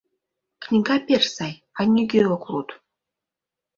Книга пеш сай, а нигӧ ок луд.